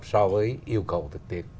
so với yêu cầu thực tiệt